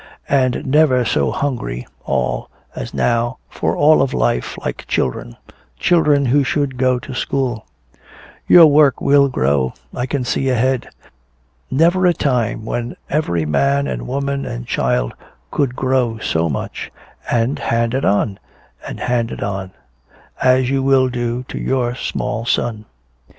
And never so hungry all as now for all of life like children children who should go to school. Your work will grow I can see ahead. Never a time when every man and woman and child could grow so much and hand it on and hand it on as you will do to your small son."